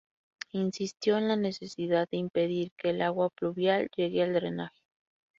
Insistió en la necesidad de impedir que el agua pluvial llegue al drenaje.